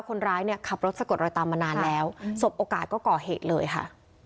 คนร้ายเนี่ยขับรถสะกดรอยตามมานานแล้วสบโอกาสก็ก่อเหตุเลยค่ะ